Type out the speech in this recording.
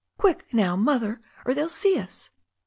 Quick, now, Mother, or they'll see us."